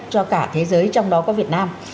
cho cả thế giới trong đó có việt nam